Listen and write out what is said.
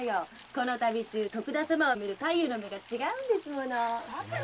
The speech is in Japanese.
この旅中徳田様を見る太夫の目が違うんですもの。